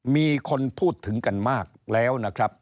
มีคนพูดถึงกันมากแล้วนะครับ